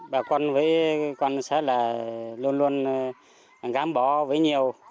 bà con với con xã là luôn luôn gám bó với nhiều